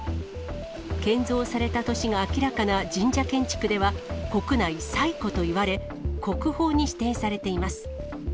建造された年が明らかな神社建築では、国内最古といわれ、国宝に指定されています。